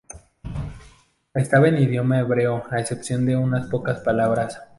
Estaba en idioma hebreo a excepción de unas pocas palabras.